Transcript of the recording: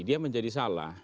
dia menjadi salah